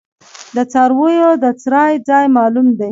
د څارویو د څرائ ځای معلوم دی؟